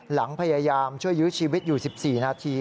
หลังพยายามช่วยยื้อชีวิตอยู่๑๔นาที